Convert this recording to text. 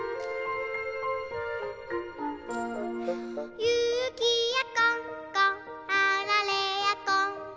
「ゆきやこんこあられやこんこ」